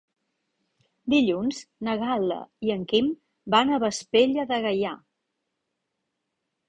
Dilluns na Gal·la i en Guim van a Vespella de Gaià.